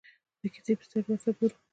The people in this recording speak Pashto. د کیسې په سترګه ورته ګورو.